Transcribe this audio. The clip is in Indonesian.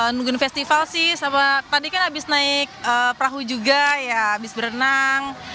nungguin festival sih sama tadi kan habis naik perahu juga ya abis berenang